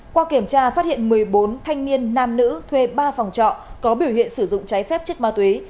qua kiểm tra phát hiện một mươi bốn thanh niên nam nữ thuê ba phòng trọ có biểu hiện sử dụng trái phép chất ma túy